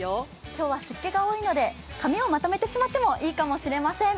今日は湿気が多いので髪をまとめてしまってもいいかもしれません。